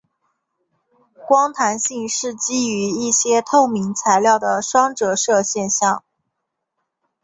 光弹性是基于一些透明材料的双折射现象。